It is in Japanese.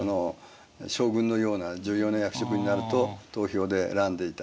将軍のような重要な役職になると投票で選んでいたと。